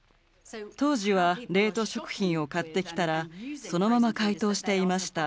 当時は冷凍食品を買ってきたらそのまま解凍していました。